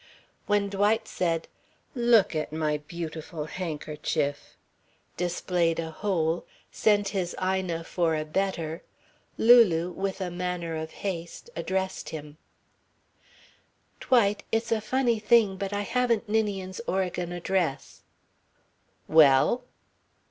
When Dwight said, "Look at my beautiful handkerchief," displayed a hole, sent his Ina for a better, Lulu, with a manner of haste, addressed him: "Dwight. It's a funny thing, but I haven't Ninian's Oregon address." "Well?"